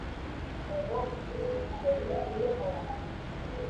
A light burned in the hall.